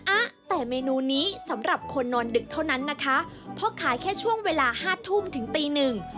อ่ะแต่เมนูนี้สำหรับคนนอนดึกเท่านั้นนะคะเพราะขายแค่ช่วงเวลาห้าทุ่มถึงตีหนึ่ง